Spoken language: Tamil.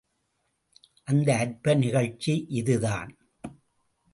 அந்த அற்புத நிகழ்ச்சி இதுதான்.